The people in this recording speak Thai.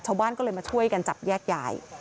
ชาวบ้านก็เลยมาช่วยกันจับแยกยาย